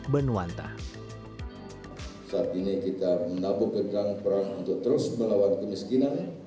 ketika ini kita menabuh gedang perang untuk terus melawan kemiskinan